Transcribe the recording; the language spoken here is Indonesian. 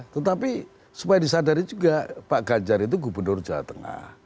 tetapi supaya disadari juga pak ganjar itu gubernur jawa tengah